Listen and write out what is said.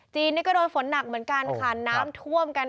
นี่ก็โดนฝนหนักเหมือนกันค่ะน้ำท่วมกัน